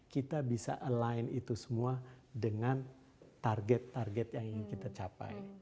kita bisa align itu semua dengan target target yang ingin kita capai